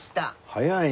はい。